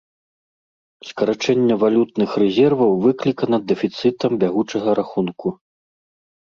Скарачэнне валютных рэзерваў выклікана дэфіцытам бягучага рахунку.